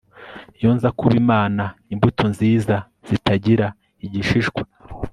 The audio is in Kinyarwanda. Iyo nza kuba Imana imbuto nziza zitagira igishishwa